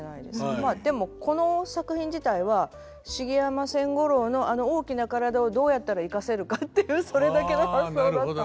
まあでもこの作品自体は茂山千五郎のあの大きな体をどうやったら生かせるかっていうそれだけの発想だったんです。